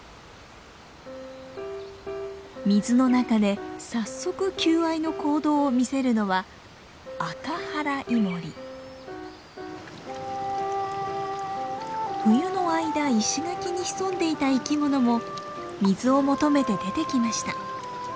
水の中で早速求愛の行動を見せるのは冬の間石垣に潜んでいた生き物も水を求めて出てきました。